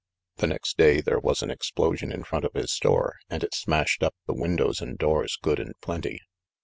The next day there was an explosion in front of his store, and it smashed up the windows and doors good and plenty.